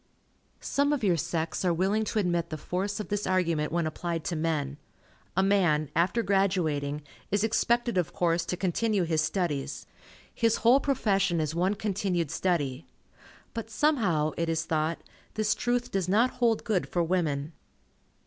Some of your sex are willing to admit the force of this argument when applied to men. A man, after graduating, is expected of course to continue his studies. His whole profession is one continued study. But somehow, it is thought, this truth does not hold good for women.